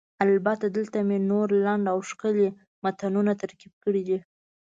البته، دلته مې نور لنډ او ښکلي متنونه ترتیب کړي دي: